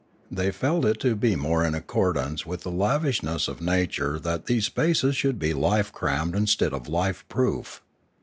They felt it to be more in accord ance with the lavishness of nature that these spaces 566 Limanora should be life crammed instead of life proof!